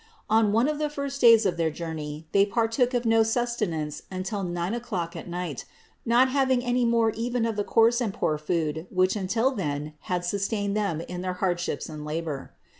On one of the first days of their journey they partook of no sustenance until nine o'clock at night, not having any more even of the coarse and poor food which until then had sustained them in their hardships and labor.